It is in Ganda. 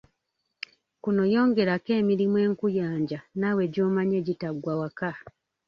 Kuno yongerako emirimu enkuyanja naawe gy'omanyi egitaggwa waka.